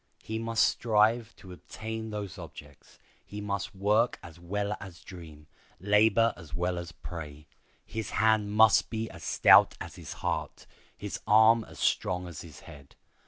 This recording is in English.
He must strive to attain those objects. He must work as well as dream, labor as well as pray. His hand must be as stout as his heart, his arm as strong as his head.